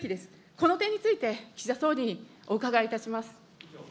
この点について、岸田総理にお伺いいたします。